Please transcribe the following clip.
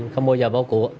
không bao giờ bỏ cuộc